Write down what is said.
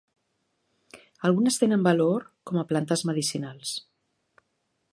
Algunes tenen valor com a plantes medicinals.